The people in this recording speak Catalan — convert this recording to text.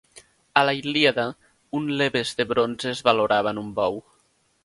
A la Ilíada, un lebes de bronze es valorava en un bou.